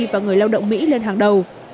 và người lao động mỹ lên hàng đầu